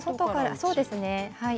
そうですねはい。